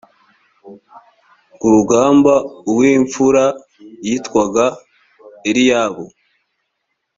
ku rugamba uw imfura yitwaga eliyabu